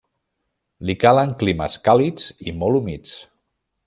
Li calen climes càlids i molt humits.